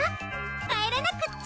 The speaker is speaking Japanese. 帰らなくっちゃ！